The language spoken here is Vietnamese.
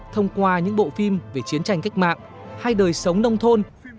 thông qua những bộ phim về chiến tranh cách mạng hay đời sống nông thôn